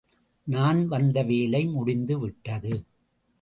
நான் வந்த வேலை முடிந்துவிட்டது.